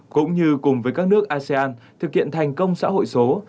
cũng như cùng với các nước asean thực hiện thành công xã hội số